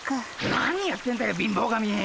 何やってんだよ貧乏神！